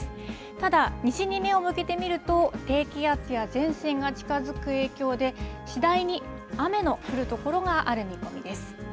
ただ、西に目を向けてみると、低気圧や前線が近づく影響で、次第に雨の降る所がある見込みです。